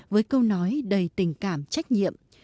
với câu nói đầy tình cảm trách nhiệm